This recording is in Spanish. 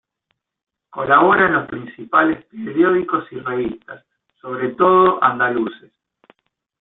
Colabora en los principales periódicos y revistas, sobre todo andaluces.